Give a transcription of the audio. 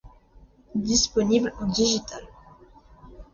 Disponible en digital.